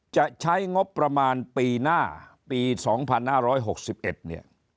จะใช้งบประมาณปีหน้าปี๒๕๖๑เนี่ย